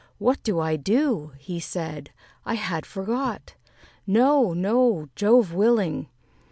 "What do I do?" he said; "I had forgot: No, no, Jove willing!